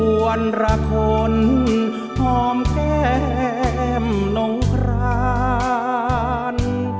วรคนหอมแก้มนงคราน